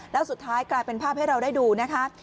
แล้วสุดท้ายกลายเป็นภาพให้เราได้ดูนะคะ